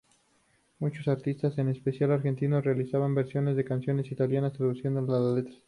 Muchos artistas —en especial argentinos— realizaban versiones de canciones italianas, traduciendo las letras.